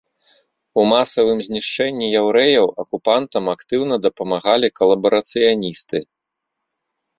У масавым знішчэнні яўрэяў акупантам актыўна дапамагалі калабарацыяністы.